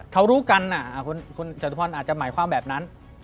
เขารู้กันคุณจตุพรอาจจะหมายความแบบนั้น